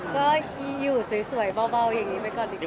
ก็อยู่สวยเบาอย่างนี้ไปก่อนดีกว่า